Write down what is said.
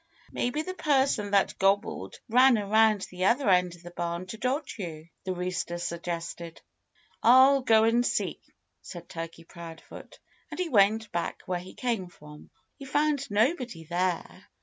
"Maybe the person that gobbled ran around the other end of the barn, to dodge you," the rooster suggested. "I'll go and see," said Turkey Proudfoot. And he went back where he came from. He found nobody there.